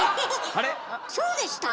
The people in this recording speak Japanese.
えっそうでした？